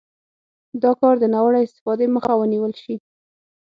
دا کار د ناوړه استفادې مخه ونیول شي.